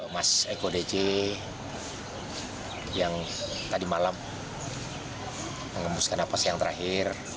mas eko dj yang tadi malam mengembuskan nafas yang terakhir